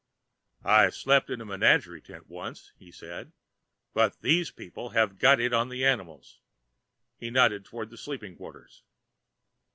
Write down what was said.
"I slept in a menagerie tent once," said he, "but these people have got it on the animals." He nodded toward the sleeping quarters.